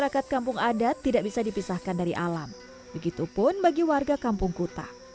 kota kuta bisa dipisahkan dari alam begitu pun bagi warga kampung kuta